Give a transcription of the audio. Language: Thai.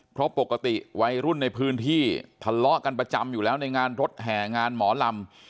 เพราะปกติวัยรุ่นในพื้นที่ทะเลาะกันประจำอยู่แล้วในงานรถแห่งานหมอลำ